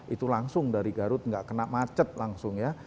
itu langsung dari garut nggak kena macet langsung ya